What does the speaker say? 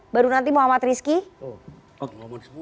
baru nanti muhammad rizki